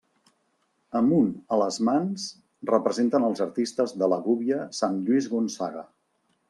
Amb un a les mans representen els artistes de la gúbia sant Lluís Gonçaga.